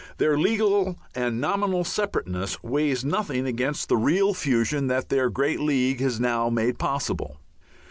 Their legal and nominal separateness weighs nothing against the real fusion that their great league has now made possible.